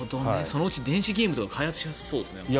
そのうち電子ゲームとか開発しそうですね。